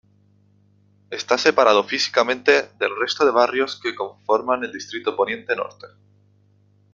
Está separado físicamente del resto de barrios que conforman el distrito Poniente Norte.